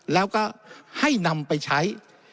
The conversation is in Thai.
แล้วก็ให้นำไปใช้